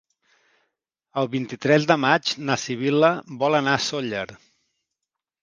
El vint-i-tres de maig na Sibil·la vol anar a Sóller.